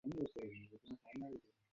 এবং চড়ুইয়ের ডিম তার নীড়ে নিয়ে এল।